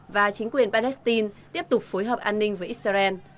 và chính quyền palestine tiếp tục phối hợp an ninh với israel